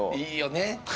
いいよね！